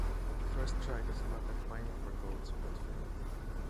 He first tried his luck at mining for gold but failed.